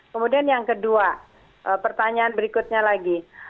kemudian yang kedua pertanyaan berikutnya lagi